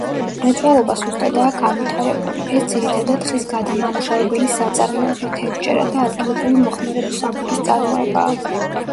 მრეწველობა სუსტადაა განვითარებული, ეს ძირითადად ხის გადამამუშავებელი საწარმოები, თევზჭერა და ადგილობრივი მოხმარების აგურის წარმოებაა.